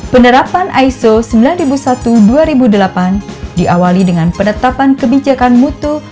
penerapan iso sembilan ribu satu dua ribu delapan diawali dengan penetapan kebijakan mutu